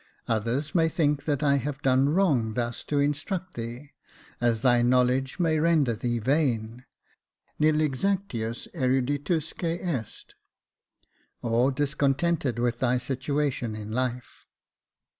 Others may think that I have done wrong thus to instruct thee, as thy knowledge 52 Jacob Faithful may render thee vain — nil exacthis erud'itinsque est — or discontented with thy situation in life.